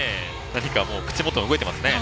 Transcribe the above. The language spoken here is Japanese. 何かもう口元が動いてますね。